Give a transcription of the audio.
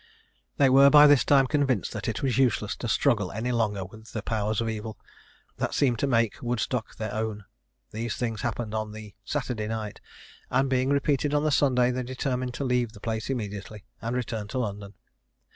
They were by this time convinced that it was useless to struggle any longer with the powers of evil, that seemed determined to make Woodstock their own. These things happened on the Saturday night; and, being repeated on the Sunday, they determined to leave the place immediately, and return to London.